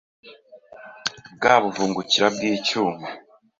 bwa buvungukira bw’icyuma